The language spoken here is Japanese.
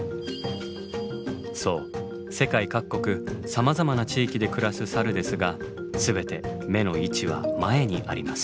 そう世界各国さまざまな地域で暮らすサルですが全て目の位置は前にあります。